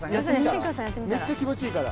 めっちゃ気持ちいいから。